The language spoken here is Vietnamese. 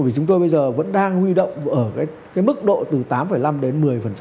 vì chúng tôi bây giờ vẫn đang huy động ở cái mức độ từ tám năm đến một mươi